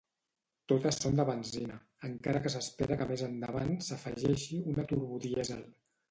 Totes són de benzina, encara que s'espera que més endavant s'afegeixi una turbodièsel.